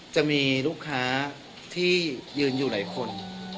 จะมีลูกค้าที่ยืนอยู่หลายคน